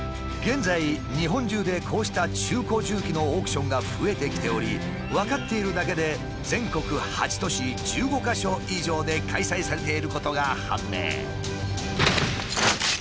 現在日本中でこうした中古重機のオークションが増えてきており分かっているだけで全国８都市１５か所以上で開催されていることが判明。